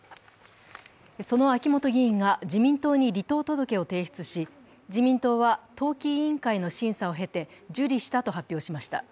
その秋本議員が自民党に離党届を提出し、自民党は党紀委員会の審査を経て受理したと発表しました。